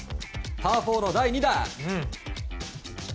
パー４の第２打。